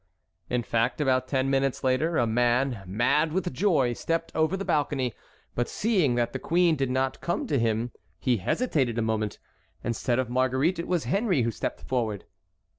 In fact, about ten minutes later a man, mad with joy, stepped over the balcony, but seeing that the queen did not come to him, he hesitated a moment. Instead of Marguerite it was Henry who stepped forward.